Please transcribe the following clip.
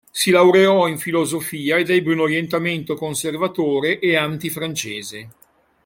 Si laureò in filosofia ed ebbe un orientamento conservatore e anti francese.